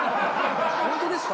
本当ですか？